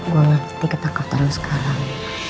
gue ngerti ketakutan sekarang